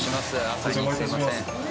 朝にすいません。